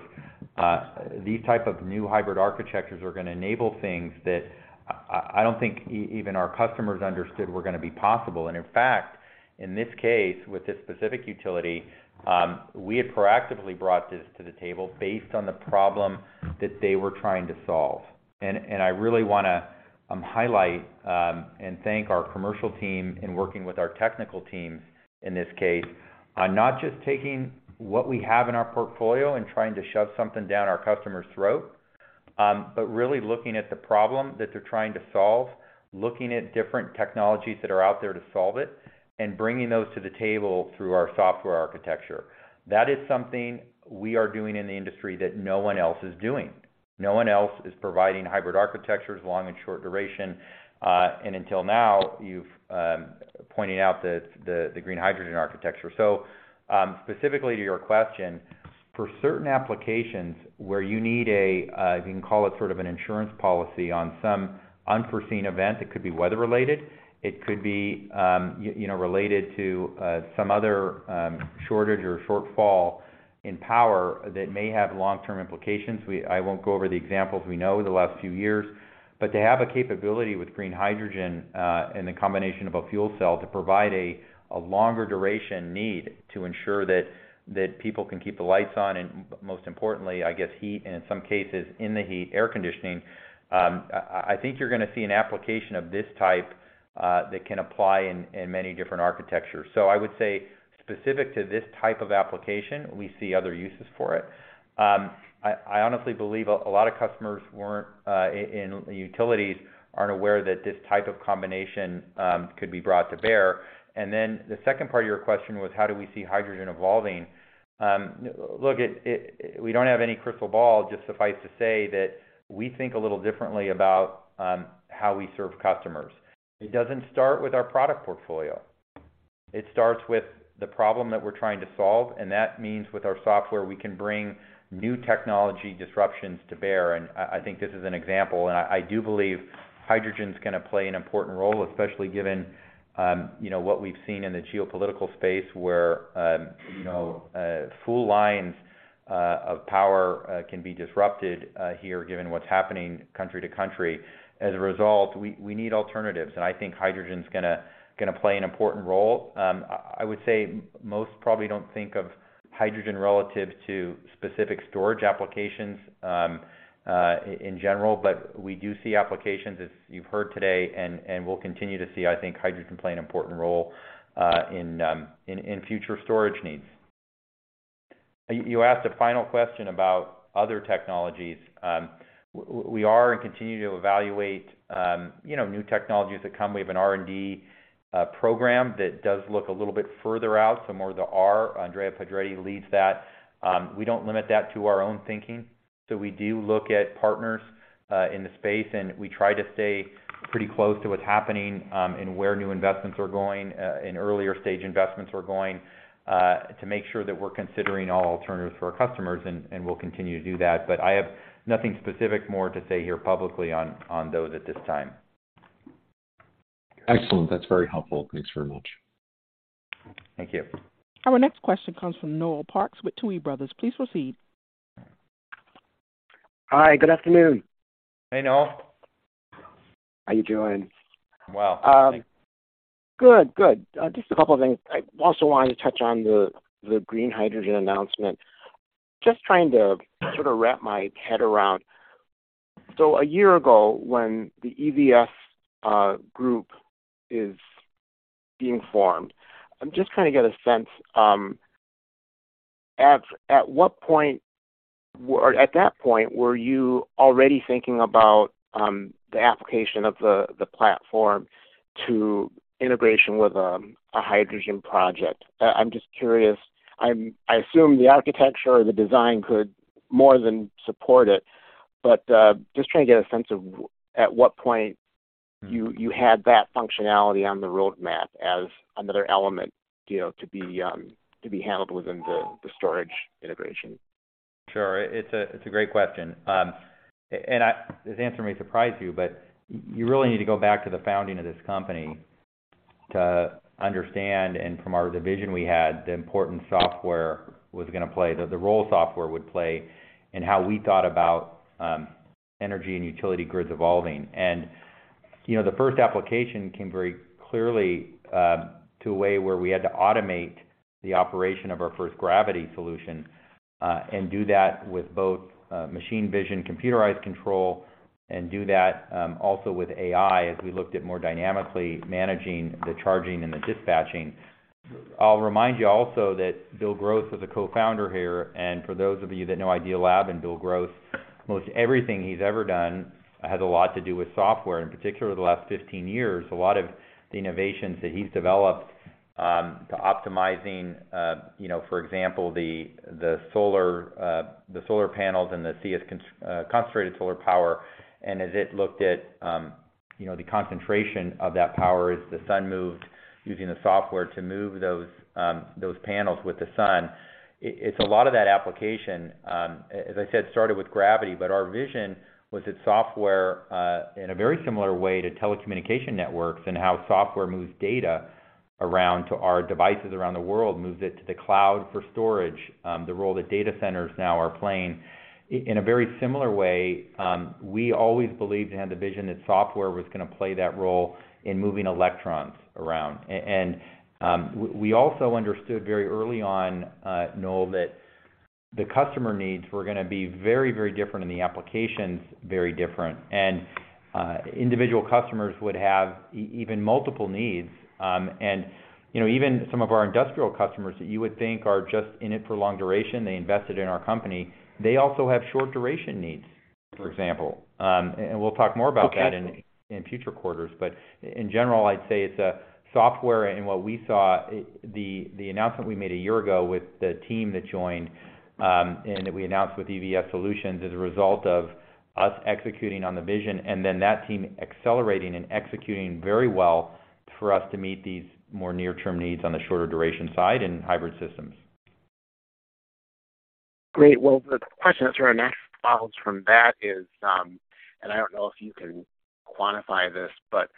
Speaker 3: these type of new hybrid architectures are gonna enable things that I don't think even our customers understood were gonna be possible. In fact, in this case, with this specific utility, we had proactively brought this to the table based on the problem that they were trying to solve. I really wanna highlight and thank our commercial team in working with our technical team in this case on not just taking what we have in our portfolio and trying to shove something down our customer's throat, but really looking at the problem that they're trying to solve, looking at different technologies that are out there to solve it, and bringing those to the table through our software architecture. That is something we are doing in the industry that no one else is doing. No one else is providing hybrid architectures, long and short duration. Until now, you've pointed out the green hydrogen architecture. Specifically to your question, for certain applications where you need a you can call it sort of an insurance policy on some unforeseen event, it could be weather-related, it could be, you know, related to some other shortage or shortfall in power that may have long-term implications. I won't go over the examples we know the last few years. To have a capability with green hydrogen and the combination of a fuel cell to provide a longer duration need to ensure that people can keep the lights on, and most importantly, I guess, heat, and in some cases, in the heat, air conditioning, I think you're gonna see an application of this type that can apply in many different architectures. I would say specific to this type of application, we see other uses for it. I honestly believe a lot of customers in utilities aren't aware that this type of combination could be brought to bear. Then the second part of your question was, how do we see hydrogen evolving? Look, we don't have any crystal ball. Just suffice to say that we think a little differently about how we serve customers. It doesn't start with our product portfolio. It starts with the problem that we're trying to solve, and that means with our software, we can bring new technology disruptions to bear. I think this is an example. I do believe hydrogen's gonna play an important role, especially given, you know, what we've seen in the geopolitical space where full lines of power can be disrupted here given what's happening country to country. As a result, we need alternatives, and I think hydrogen's gonna play an important role. I would say most probably don't think of hydrogen relative to specific storage applications in general, but we do see applications, as you've heard today, and we'll continue to see, I think, hydrogen play an important role in future storage needs. You asked a final question about other technologies. We are and continue to evaluate you know, new technologies that come. We have an R&D program that does look a little bit further out, so more the R&D. Andrea Pedretti leads that. We don't limit that to our own thinking, so we do look at partners in the space, and we try to stay pretty close to what's happening, and where new investments are going, and earlier-stage investments are going, to make sure that we're considering all alternatives for our customers, and we'll continue to do that. I have nothing specific more to say here publicly on those at this time.
Speaker 9: Excellent. That's very helpful. Thanks very much.
Speaker 3: Thank you.
Speaker 1: Our next question comes from Noel Parks with Tuohy Brothers. Please proceed.
Speaker 10: Hi, good afternoon.
Speaker 3: Hey, Noel.
Speaker 10: How you doing?
Speaker 3: I'm well. Thanks.
Speaker 10: Good. Just a couple of things. I also wanted to touch on the green hydrogen announcement. Just trying to sort of wrap my head around. A year ago, when the EVS group is being formed, I'm just trying to get a sense at what point or at that point were you already thinking about the application of the platform to integration with a hydrogen project? I'm just curious. I assume the architecture or the design could more than support it, but just trying to get a sense of at what point you had that functionality on the roadmap as another element, you know, to be handled within the storage integration.
Speaker 3: Sure. It's a great question. This answer may surprise you, but you really need to go back to the founding of this company to understand, and from our vision we had the important software was gonna play the role software would play in how we thought about energy and utility grids evolving. You know, the first application came very clearly to a way where we had to automate the operation of our first gravity solution and do that with both machine vision, computerized control, and also with AI, as we looked at more dynamically managing the charging and the dispatching. I'll remind you also that Bill Gross was a co-founder here, and for those of you that know Idealab and Bill Gross, most everything he's ever done has a lot to do with software. In particular, the last 15 years, a lot of the innovations that he's developed to optimizing, you know, for example, the solar panels and the concentrated solar power, and as it looked at, you know, the concentration of that power as the sun moved, using the software to move those panels with the sun. It's a lot of that application, as I said, started with Gravity, but our vision was that software in a very similar way to telecommunication networks and how software moves data around to our devices around the world, moves it to the cloud for storage, the role that data centers now are playing. In a very similar way, we always believed and had the vision that software was gonna play that role in moving electrons around. We also understood very early on, Noel, that the customer needs were gonna be very, very different, and the applications very different. Individual customers would have even multiple needs, and, you know, even some of our industrial customers that you would think are just in it for long duration, they invested in our company, they also have short duration needs, for example. We'll talk more about that.
Speaker 10: Okay.
Speaker 3: In future quarters. In general, I'd say it's software and what we saw, the announcement we made a year ago with the team that joined, and that we announced with EVS Solutions is a result of us executing on the vision and then that team accelerating and executing very well for us to meet these more near-term needs on the shorter duration side in hybrid systems.
Speaker 10: Great. Well, the question that sort of naturally follows from that is, and I don't know if you can quantify this, but,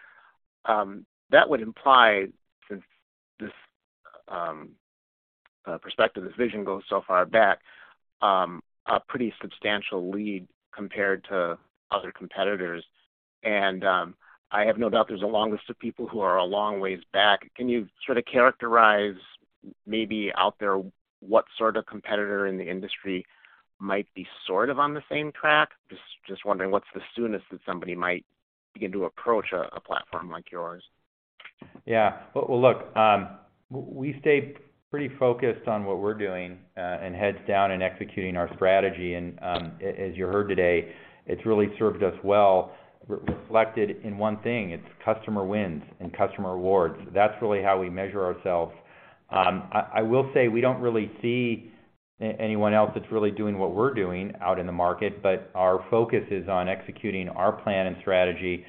Speaker 10: that would imply since this perspective, this vision goes so far back, a pretty substantial lead compared to other competitors. I have no doubt there's a long list of people who are a long ways back. Can you sort of characterize maybe out there what sort of competitor in the industry might be sort of on the same track? Just wondering what's the soonest that somebody might begin to approach a platform like yours?
Speaker 3: Yeah. Well, look, we stay pretty focused on what we're doing and heads down in executing our strategy. As you heard today, it's really served us well. Reflected in one thing, it's customer wins and customer awards. That's really how we measure ourselves. I will say we don't really see anyone else that's really doing what we're doing out in the market, but our focus is on executing our plan and strategy.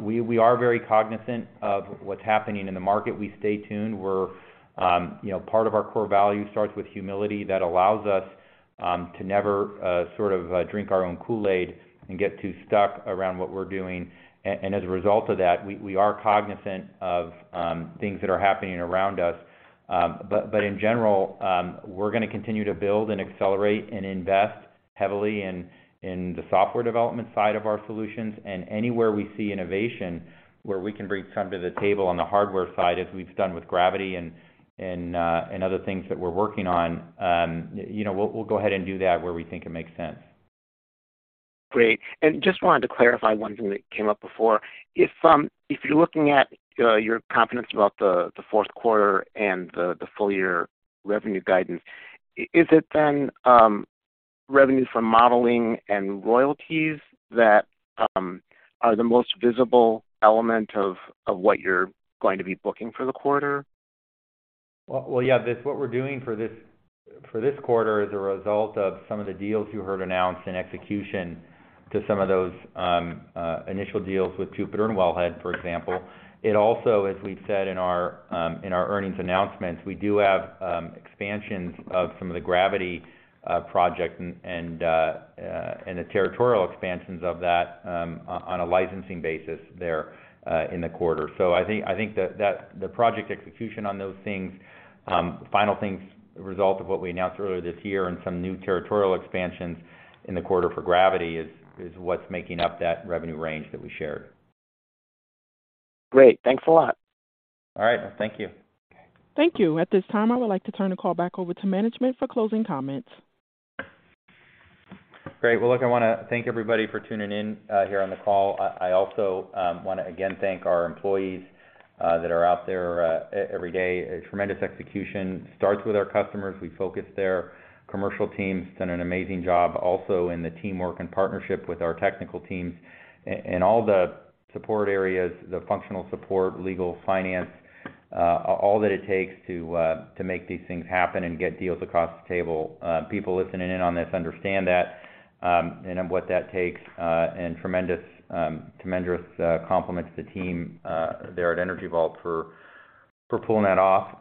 Speaker 3: We are very cognizant of what's happening in the market. We stay tuned. We're, you know, part of our core value starts with humility that allows us to never sort of drink our own Kool-Aid and get too stuck around what we're doing and as a result of that, we are cognizant of things that are happening around us. In general, we're gonna continue to build and accelerate and invest heavily in the software development side of our solutions and anywhere we see innovation where we can bring something to the table on the hardware side as we've done with Gravity and other things that we're working on, you know. We'll go ahead and do that where we think it makes sense.
Speaker 10: Great. Just wanted to clarify one thing that came up before. If you're looking at your confidence about the fourth quarter and the full year revenue guidance, is it then revenue from modeling and royalties that are the most visible element of what you're going to be booking for the quarter?
Speaker 3: Well, yeah. This what we're doing for this quarter as a result of some of the deals you heard announced in execution of some of those initial deals with Jupiter and Wellhead, for example. It also, as we've said in our earnings announcements, we do have expansions of some of the gravity project and the territorial expansions of that on a licensing basis there in the quarter. I think that the project execution on those things finalizing as a result of what we announced earlier this year and some new territorial expansions in the quarter for gravity is what's making up that revenue range that we shared.
Speaker 10: Great. Thanks a lot.
Speaker 3: All right. Thank you.
Speaker 1: Thank you. At this time, I would like to turn the call back over to management for closing comments.
Speaker 3: Great. Well, look, I wanna thank everybody for tuning in here on the call. I also wanna again thank our employees that are out there every day. A tremendous execution starts with our customers. We focus their commercial teams done an amazing job also in the teamwork and partnership with our technical teams in all the support areas, the functional support, legal, finance, all that it takes to make these things happen and get deals across the table. People listening in on this understand that and what that takes and tremendous compliments to the team there at Energy Vault for pulling that off.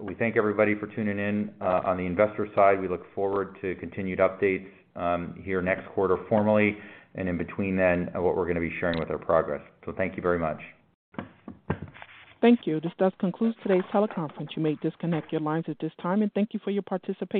Speaker 3: We thank everybody for tuning in. On the investor side, we look forward to continued updates here next quarter formally and in between then what we're gonna be sharing with our progress. Thank you very much.
Speaker 1: Thank you. This does conclude today's teleconference. You may disconnect your lines at this time and thank you for your participation.